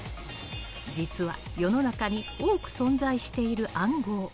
実は世の中に多く存在している暗号。